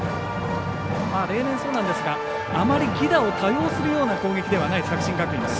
例年そうなんですがあまり、犠打を多用するような攻撃ではない作新学院です。